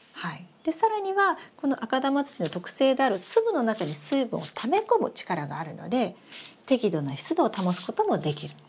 で更にはこの赤玉土の特性である粒の中に水分をため込む力があるので適度な湿度を保つこともできる。